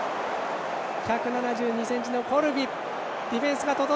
１７２ｃｍのコルビ。